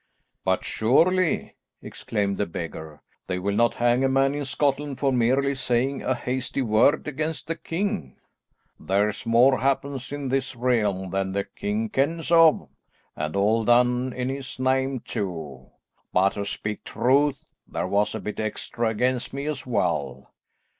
"But surely," exclaimed the beggar, "they will not hang a man in Scotland for merely saying a hasty word against the king?" "There's more happens in this realm than the king kens of, and all done in his name too. But to speak truth, there was a bit extra against me as well.